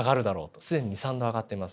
既に２３℃上がっています。